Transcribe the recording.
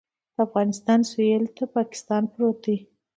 د افغانستان سویل ته پاکستان پروت دی